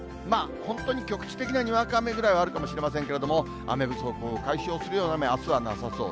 本当に局地的なにわか雨くらいはあるかもしれませんけれども、雨不足を解消するような雨はあすはなさそう。